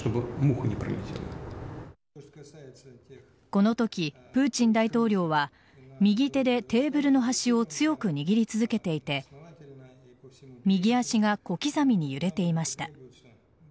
このとき、プーチン大統領は右手でテーブルの端を強く握り続けていて右足が小刻みに揺れていました。